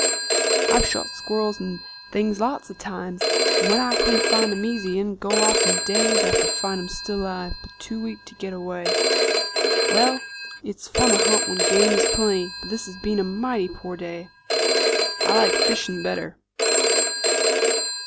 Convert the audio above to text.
"I've shot squirrels 'nd such things lots of times, 'nd when I couldn't find 'em easy, I'd go off, 'nd days after find 'em still alive, but too weak to get away." "Well, it's fun to hunt when game is plenty, but this has been a mighty poor day." "I like fishin' better."